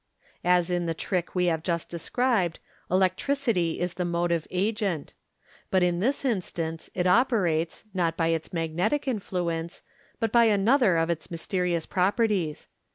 As in the trick we have just described, elec tricity is the motive agent; but in this instance it operates, not by its magnetic influence, but by another of its mysterious properties.